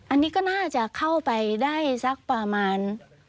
อันนี้ก็น่าจะเข้าไปได้สักประมาณ